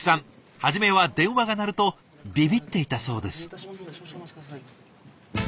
初めは電話が鳴るとびびっていたそうです。